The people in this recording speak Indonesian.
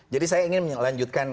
jadi saya ingin melanjutkan